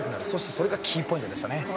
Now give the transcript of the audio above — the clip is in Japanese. それがキーポイントでしたね。